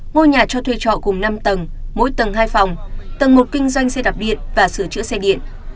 ngôi nhà cho thuê trọ cùng năm tầng mỗi tầng hai phòng tầng một kinh doanh xe đạp điện và sửa chữa xe điện